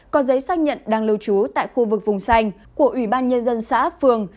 có giấy xác nhận đang lưu trú tại khu vực vùng xanh của ủy ban nhân dân xã phường